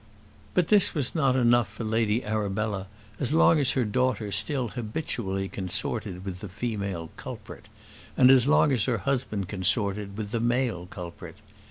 But this was not enough for Lady Arabella as long as her daughter still habitually consorted with the female culprit, and as long as her husband consorted with the male culprit.